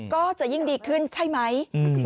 ก็จะยิ่งดีขึ้นใช่ไหม